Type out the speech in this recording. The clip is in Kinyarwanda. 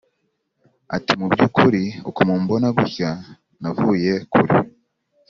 ati”mubyukuri uku mumbona guntya navuye kure